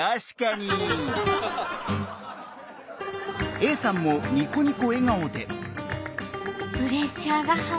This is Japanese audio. Ａさんもニコニコ笑顔で。